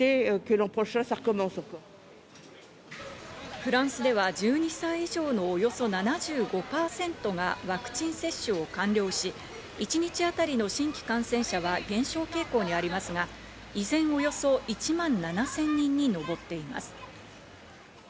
フランスでは１２歳以上のおよそ７５％がワクチン接種を完了し、一日当たりの新規感染者は減少傾向にありますが、依然、およそ１万７０００人に上っています。